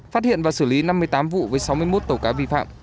phát hiện và xử lý năm mươi tám vụ với sáu mươi một tàu cá vi phạm